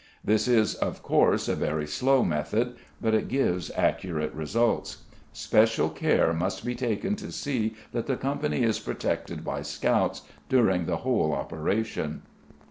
This is, of course, a very slow method, but it gives accurate results. Special care must be taken to see that the company is protected by scouts during the whole operation.